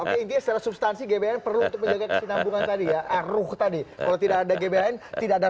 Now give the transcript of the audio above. oke intinya secara substansi gbn perlu untuk menjaga kesenambungan tadi ya